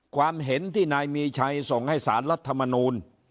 ความเห็นที่นายมีชัยส่งให้สารรัฐมนูล